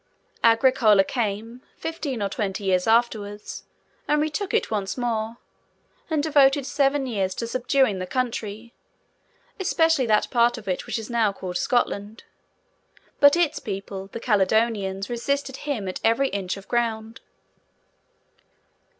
Agricola came, fifteen or twenty years afterwards, and retook it once more, and devoted seven years to subduing the country, especially that part of it which is now called Scotland; but, its people, the Caledonians, resisted him at every inch of ground.